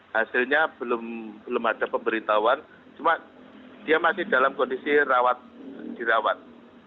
hasilnya belum ada pemberitahuan cuma dia masih dalam kondisi dirawat